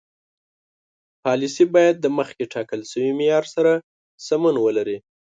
پالیسي باید د مخکې ټاکل شوي معیار سره سمون ولري.